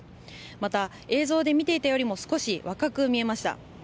また、映像で見ていたよりも少し若く見えました。